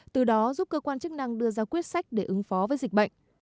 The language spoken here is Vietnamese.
từ đó giúp cơ quan chức năng đưa ra quyết sách để ứng phó với dịch bệnh